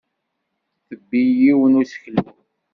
Tebbi yiwen n useklu.